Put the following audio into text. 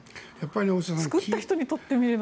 作った人にとってみれば。